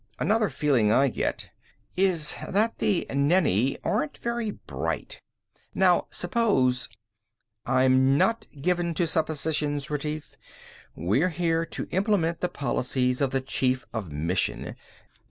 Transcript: "Another feeling I get is that the Nenni aren't very bright. Now suppose " "I'm not given to suppositions, Retief. We're here to implement the policies of the Chief of Mission.